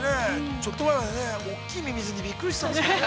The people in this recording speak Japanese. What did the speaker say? ちょっとぐらいね、大きいミミズにびっくりしてたんですけどね。